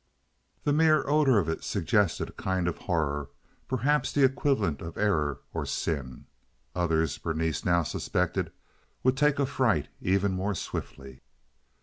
The mere odor of it suggested a kind of horror—perhaps the equivalent of error or sin. Others, Berenice now suspected, would take affright even more swiftly.